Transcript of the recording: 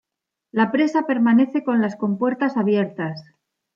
La presa permanece con las compuertas abiertas.